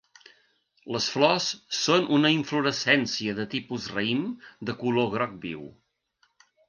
Les flors són una inflorescència de tipus raïm de color groc viu.